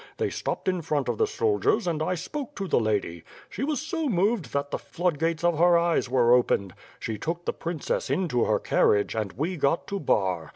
They stopped in front of the soldiers and I spoke to the lady: She was so moved that the flood gates of her eyes were opened; she took the princess into her carriage, and we got to Bar.